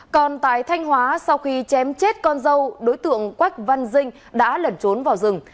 còn tại thanh hóa sau khi chém chết con dâu đối tượng quách văn dinh đã lẩn trốn vào rừng